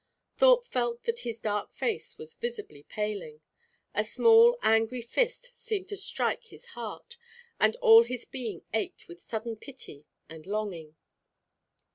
Thorpe felt that his dark face was visibly paling. A small angry fist seemed to strike his heart, and all his being ached with sudden pity and longing.